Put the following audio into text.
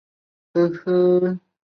特拉西莱蒙。